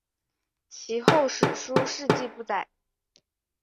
其后史书事迹不载。